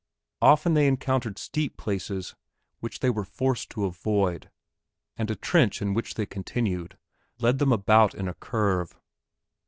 Often they encountered steep places which they were forced to avoid, and a trench in which they continued led them about in a curve.